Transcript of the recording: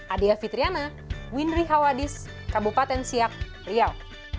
adia fitriana winri hawadis kabupaten siak riau